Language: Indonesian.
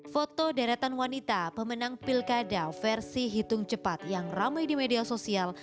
foto deretan wanita pemenang pilkada versi hitung cepat yang ramai di media sosial